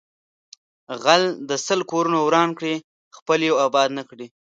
غل د سل کورونه وران کړي خپل یو آباد نکړي